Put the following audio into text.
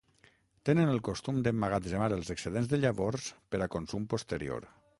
Tenen el costum d'emmagatzemar els excedents de llavors per a consum posterior.